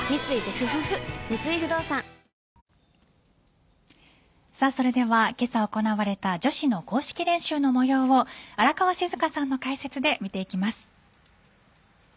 三井不動産それでは今朝行われた女子の公式練習の模様を荒川静香さんの解説で見ていきます。